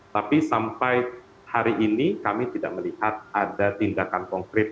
tapi sampai hari ini kami tidak melihat ada tindakan konkret